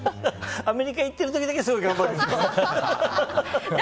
アメリカに行ってる時だけすごい頑張るんだ。